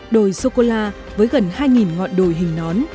đồi sô cô la với gần hai ngọn đồi hình nón